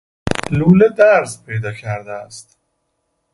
لوله درز پیدا کرده است.